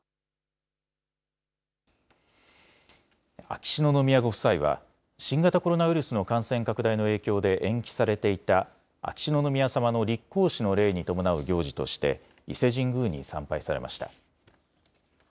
秋篠宮ご夫妻は新型コロナウイルスの感染拡大の影響で延期されていた秋篠宮さまの立皇嗣の礼に伴う行事として伊勢神宮に参拝されました。